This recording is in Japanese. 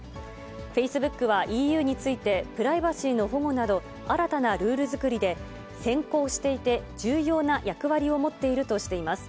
フェイスブックはＥＵについて、プライバシーの保護など、新たなルール作りで先行していて、重要な役割を持っているとしています。